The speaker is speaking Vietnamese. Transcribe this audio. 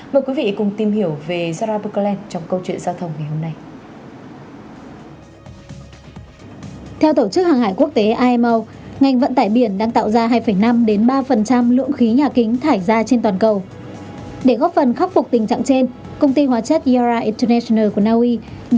mời quý vị cùng tìm hiểu về zara berkeland trong câu chuyện sau này